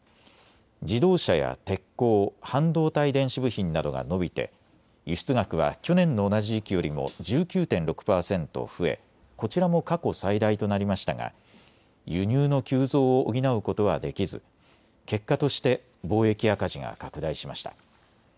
自動車や鉄鋼、半導体電子部品などが伸びて輸出額は去年の同じ時期よりも１９．６％増え、こちらも過去最大となりましたが輸入の急増を補うことはできず結果として貿易赤字が拡大しました。